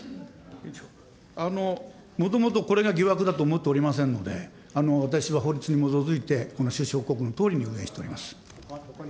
あの、もともとこれが疑惑だと思っておりませんので、私は法律に基づいて収支報告のとおりに運営しております。